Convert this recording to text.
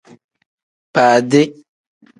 Baadi.